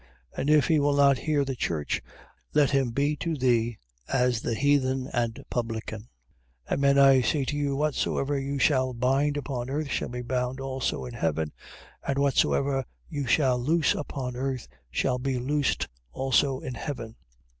And if he will not hear the church, let him be to thee as the heathen and publican. 18:18. Amen I say to you, whatsoever you shall bind upon earth, shall be bound also in heaven: and whatsoever you shall loose upon earth, shall be loosed also in heaven.